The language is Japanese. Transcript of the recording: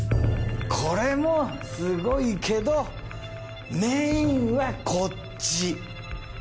これもすごいけどメインはこっち。